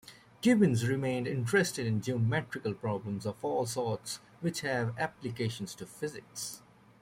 Gibbons remains interested in geometrical problems of all sorts which have applications to physics.